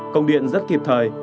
công điện rất kịp thời